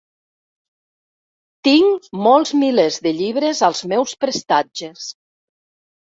Tinc molts milers de llibres als meus prestatges.